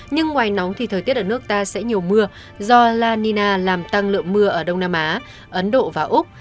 nhưng ngoài nóng thì thời tiết ở nước ta sẽ nhiều mưa do la nina làm tăng lượng mưa ở đông nam á ấn độ và úc